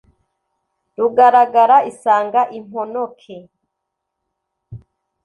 rugaragara isanga imponoke,